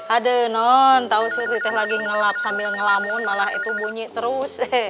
aduh non tau suri teh lagi ngelap sambil ngelamun malah itu bunyi terus